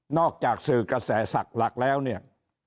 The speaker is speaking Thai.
นอกจากสื่อกระแสสักหลักแล้วเนี่ย